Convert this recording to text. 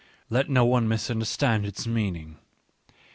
Let j^ —— no one misunderstand its meaning.